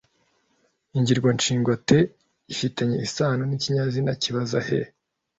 ingirwanshinga – te ifitanye isano n’ikinyazina kibaza – he’